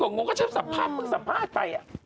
ก็งงก็เชื่อมสัมภาพเพิ่งสัมภาพไป